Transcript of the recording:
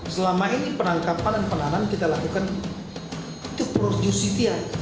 selama ini penangkapan dan penanganan kita lakukan untuk producitia